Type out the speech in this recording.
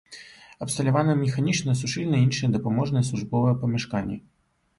Абсталяваны механічныя, сушыльныя і іншыя дапаможныя і службовыя памяшканні.